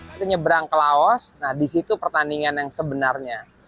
itu nyebrang ke laos nah disitu pertandingan yang sebenarnya